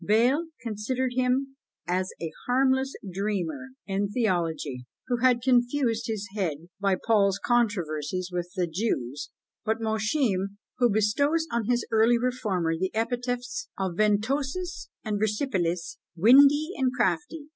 Bayle considered him as a harmless dreamer in theology, who had confused his head by Paul's controversies with the Jews; but Mosheim, who bestows on this early reformer the epithets of ventosus and versipellis, windy and crafty!